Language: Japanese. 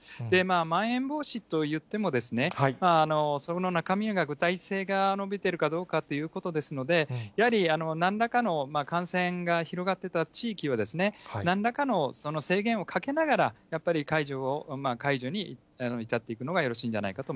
まん延防止といってもですね、その中身が具体性が帯びているかどうかということですので、やはりなんらかの感染が広がってた地域は、なんらかの制限をかけながら、やっぱり解除に至っていくのがよ